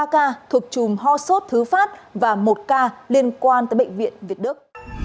ba ca thuộc chùm ho sốt thứ phát và một ca liên quan tới bệnh viện việt đức